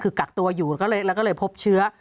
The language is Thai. คือกักตัวอยู่แล้วก็เลยพบเชื้อ